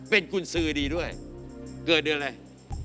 เป็นกุญสือดีด้วยเกิดเดือนอะไร